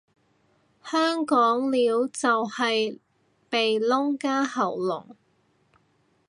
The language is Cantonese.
香港撩就都係鼻窿加喉嚨